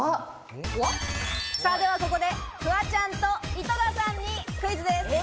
ではここでフワちゃんと井戸田さんにクイズです。